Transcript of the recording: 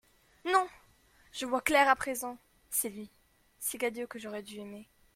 Non ! je vois clair à présent ! c'est lui, c'est Cadio que j'aurais dû aimer.